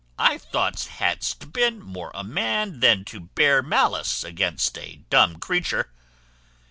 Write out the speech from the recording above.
I thought hadst been more a man than to bear malice against a dumb creature."